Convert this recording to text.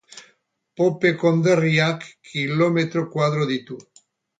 Pope konderriak kilometro koadro ditu.